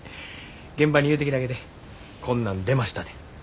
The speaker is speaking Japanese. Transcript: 現場に言うてきたげてこんなん出ましたて。